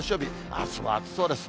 あすも暑そうです。